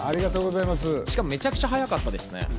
しかもめちゃくちゃ早かったですね。